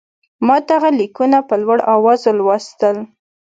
ما دغه لیکونه په لوړ آواز ولوستل.